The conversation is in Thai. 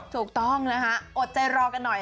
ถูกต้องนะคะอดใจรอกันหน่อย